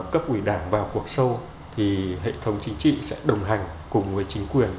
cấp ủy đảng vào cuộc sâu thì hệ thống chính trị sẽ đồng hành cùng với chính quyền